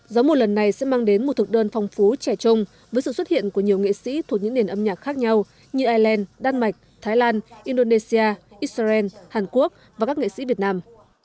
gió mùa lần này sẽ mang đến một thực đơn phong phú trẻ trung với sự xuất hiện của nhiều nghệ sĩ thuộc những nền âm nhạc khác nhau như ireland đan mạch thái lan indonesia israel hàn quốc và các nghệ sĩ việt nam